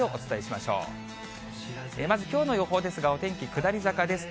まずきょうの予報ですが、お天気、下り坂です。